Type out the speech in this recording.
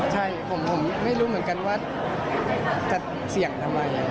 ใช่ผมไม่รู้เหมือนกันว่าจะเสี่ยงทำไม